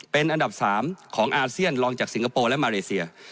เป็นอันดับ๓ของอาเซียนรองจากสิงคโปร์และมาเลเซีย